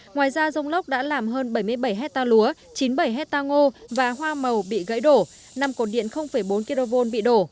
ngoài ra rông lốc đã làm hơn bảy mươi bảy hectare lúa chín mươi bảy hectare ngô và hoa màu bị gãy đổ năm cột điện bốn kv bị đổ